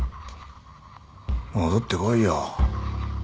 戻ってこいよ。